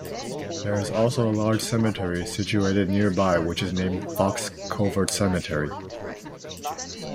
There is also a large cemetery situated nearby which is named Fox Covert Cemetery.